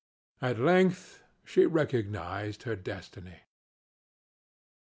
At length she recognized her destiny.